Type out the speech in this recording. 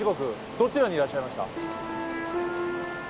どちらにいらっしゃいました？